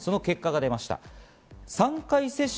結果が出ました。